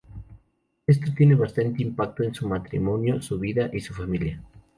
Esto tiene bastante impacto en su matrimonio, su vida y su familia.